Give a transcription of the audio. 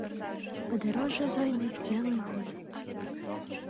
Падарожжа зойме цэлы год.